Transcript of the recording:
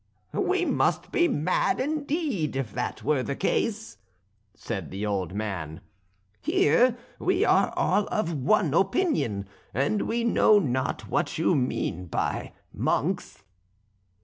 "We must be mad, indeed, if that were the case," said the old man; "here we are all of one opinion, and we know not what you mean by monks."